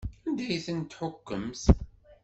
Anda ay ten-tḥukkemt?